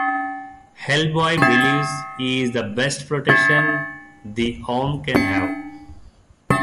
Hellboy believes he is the best protection the arm can have.